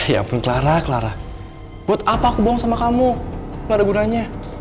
ya ampun clara clara buat apa aku buang sama kamu gak ada gunanya